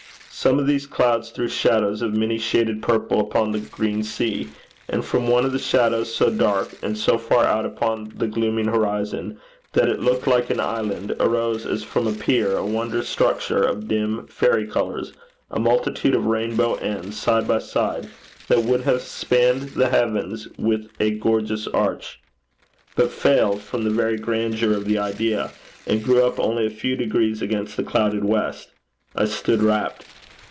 Some of these clouds threw shadows of many shaded purple upon the green sea; and from one of the shadows, so dark and so far out upon the glooming horizon that it looked like an island, arose as from a pier, a wondrous structure of dim, fairy colours, a multitude of rainbow ends, side by side, that would have spanned the heavens with a gorgeous arch, but failed from the very grandeur of the idea, and grew up only a few degrees against the clouded west. I stood rapt.